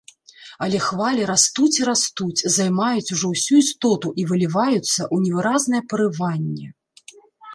Але хвалі растуць і растуць, займаюць ужо ўсю істоту і выліваюцца ў невыразнае парыванне.